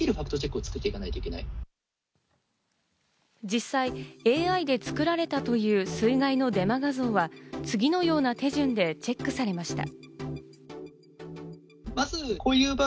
実際、ＡＩで作られたという水害のデマ画像は次のような手順でチェックされました。